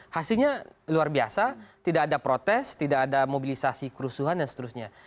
hasilnya luar biasa tidak ada protes tidak ada mobilisasi kerusuhan dan seterusnya